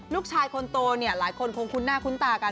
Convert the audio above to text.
ลูกชายคนโตเนี่ยหลายคนคงคุ้นหน้าคุ้นตากัน